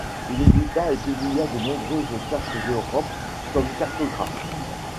Il édita et publia de nombreuses cartes d'Europe comme cartographe.